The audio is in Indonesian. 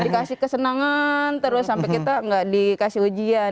dikasih kesenangan terus sampai kita nggak dikasih ujian